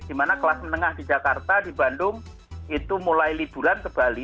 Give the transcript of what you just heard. di mana kelas menengah di jakarta di bandung itu mulai liburan ke bali